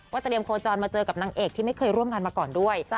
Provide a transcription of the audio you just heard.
เตรียมโคจรมาเจอกับนางเอกที่ไม่เคยร่วมงานมาก่อนด้วย